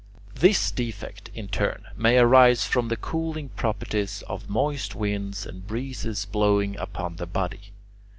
This defect, in turn, may arise from the cooling properties of moist winds and breezes blowing upon the body.